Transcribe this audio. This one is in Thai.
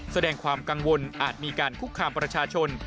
แสดงความกังวลอาจมีการคุกคามประชาชน